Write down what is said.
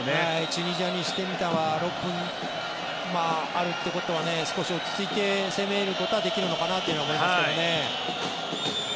チュニジアとしては６分あるということは少し落ち着いて攻めることはできるのかなとは思いますね。